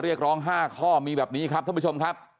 เรียกร้อง๕ข้อมีแบบนี้ครับท่านผู้ชมครับ